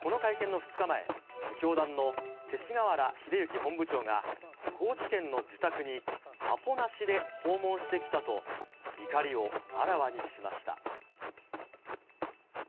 この会見の２日前、教団の勅使河原秀行本部長が高知県の自宅にアポなしで訪問してきたと怒りをあらわにしました。